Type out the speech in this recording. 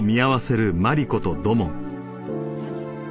何？